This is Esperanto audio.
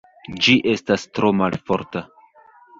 Ĝi estas tro malforta.